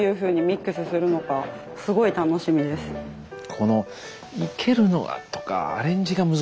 この生けるのとかアレンジが難しいんですよね